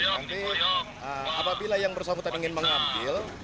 nanti apabila yang bersama kita ingin mengambil